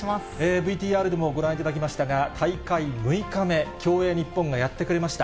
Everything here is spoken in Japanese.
ＶＴＲでもご覧いただきましたが、大会６日目、競泳日本がやってくれました。